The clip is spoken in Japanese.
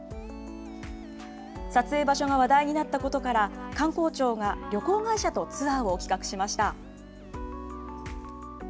撮影場所が話題になったことから、観光庁が旅行会社とツアーを企画しました。